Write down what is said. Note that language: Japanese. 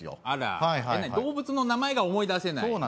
あら動物の名前が思い出せない。